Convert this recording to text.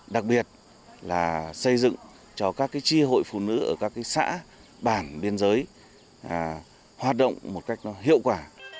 đặc biệt là xây dựng cho các chi hội phụ nữ ở các xã bản biên giới hoạt động một cách hiệu quả